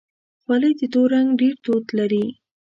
خولۍ د تور رنګ ډېر دود لري.